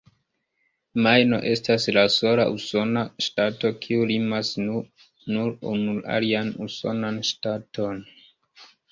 Majno estas la sola usona ŝtato, kiu limas nur unu alian usonan ŝtaton.